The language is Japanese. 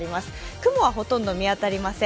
雲はほとんど見当たりません。